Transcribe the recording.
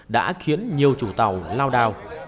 đã khiến nhiều chủ tàu lao đao